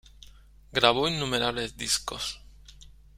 Grabó innumerables discos.